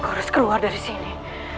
harus keluar dari sini